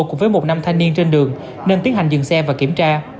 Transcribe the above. cùng với một nam thanh niên trên đường nên tiến hành dừng xe và kiểm tra